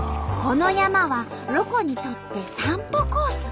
この山はロコにとって散歩コース。